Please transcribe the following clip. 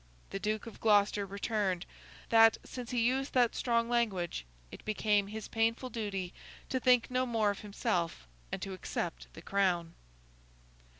The Duke of Gloucester returned, that since he used that strong language, it became his painful duty to think no more of himself, and to accept the Crown.